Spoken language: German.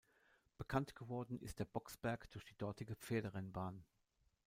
Bekannt geworden ist der Boxberg durch die dortige Pferderennbahn.